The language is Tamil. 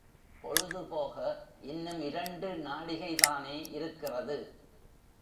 பொழுது போக இன்னும் இரண்டு நாழிகைதானே இருக்கிறது?